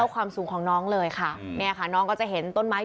ความสูงของน้องเลยค่ะเนี่ยค่ะน้องก็จะเห็นต้นไม้